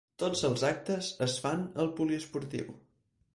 Tots els actes es fan al poliesportiu.